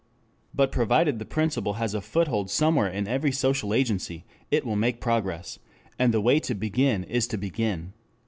But provided the principle has a foothold somewhere in every social agency it will make progress, and the way to begin is to begin.